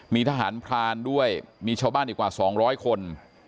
มีทหารพรานด้วยมีชาวบ้านอีกกว่า๒๐๐คน